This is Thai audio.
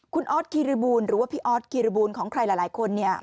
คุณออสคิริบูลหรือว่าพี่ออสกิริบูลของใครหลายคนเนี่ย